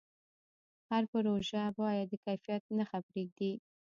هر پروژه باید د کیفیت نښه پرېږدي.